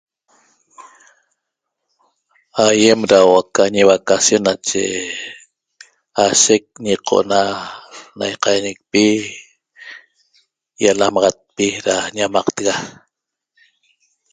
Aiem da huo'o aca ñivacacion nache ashec ñiqo'ona na iqaiañipi yalamaxacpi da ñamqlega